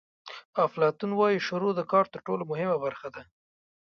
افلاطون وایي شروع د کار تر ټولو مهمه برخه ده.